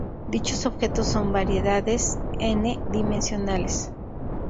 Dichos objetos son variedades "n"-dimensionales.